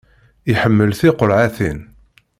Iḥemmel tiqulhatin.